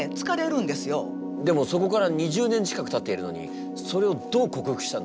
でもそこから２０年近くたっているのにそれをどう克服したんだ？